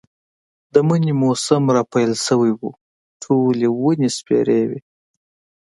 د مني موسم را پيل شوی و، ټولې ونې سپېرې وې.